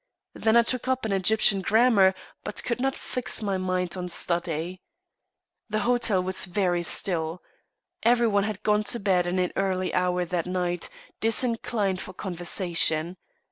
Then I took up an Egyptian grammar, but could not fix my mind on study. The hotel was very still. Everyone had gone to bed at an early hour that night, disinclined for conversation.